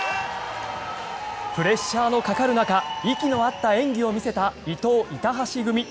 プレッシャーのかかる中息の合った演技を見せた伊藤・板橋組。